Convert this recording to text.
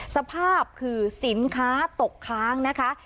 สภาพคือสินค้าตกค้างนะคะ